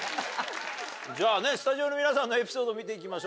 じゃあねスタジオの皆さんのエピソード見ていきましょう。